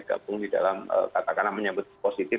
gabung di dalam katakanlah menyebut positif